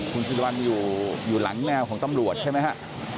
คุณสิริวัลอยู่หลังแนวของตำรวจใช่ไหมฮะ